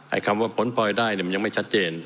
ไอ้คำว่าผลพลอยได้มันยังไม่ชัดเจน